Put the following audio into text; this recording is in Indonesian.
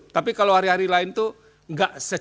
tapi kalau hari hari lain itu nggak sesuai